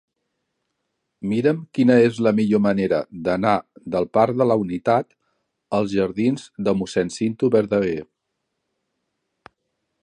Mira'm quina és la millor manera d'anar del parc de la Unitat als jardins de Mossèn Cinto Verdaguer.